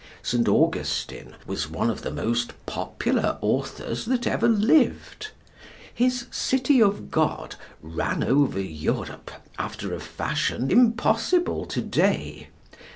St. Augustine was one of the most popular authors that ever lived. His City of God ran over Europe after a fashion impossible to day.